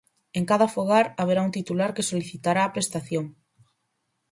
En cada fogar haberá un titular que solicitará a prestación.